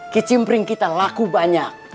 kicimpring kita laku banyak